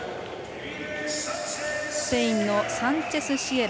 スペインのサンチェスシエラ。